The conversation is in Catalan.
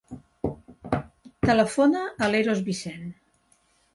Telefona a l'Eros Vicent.